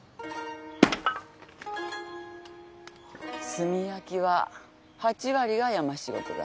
炭焼きは８割が山仕事だ。